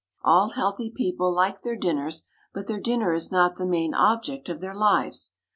All healthy people like their dinners, but their dinner is not the main object of their lives.